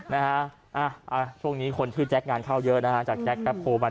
นะฮะช่วงนี้คนชื่อแจ๊คงานเข้าเยอะนะฮะจากแจ๊คแป๊บโพลมา